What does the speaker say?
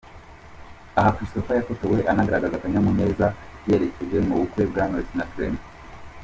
Aha, Christopher yafotowe nagaragaza akanyamuneza yerekeje mu bukwe bwa Knowless na Clement.